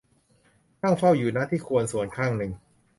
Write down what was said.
นั่งเฝ้าอยู่ ณ ที่ควรส่วนข้างหนึ่ง